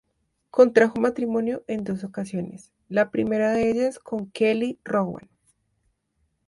Contrajo matrimonio en dos ocasiones, la primera de ellas con Kelly Rowan.